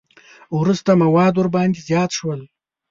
وروسته مواد ورباندې زیات شول.